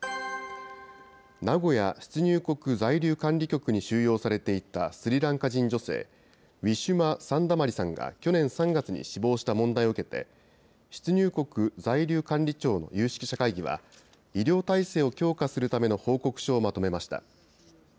名古屋出入国在留管理局に収容されていたスリランカ人女性、ウィシュマ・サンダマリさんが去年３月に死亡した問題を受けて、出入国在留管理庁の有識者会議は、医療体制を強化するための報告書をまとめました。